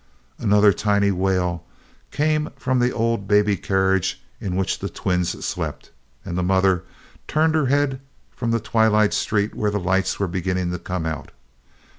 Another tiny wail came from the old baby carriage in which the twins slept, and the mother turned her head from the twilight street where the lights were beginning to come out.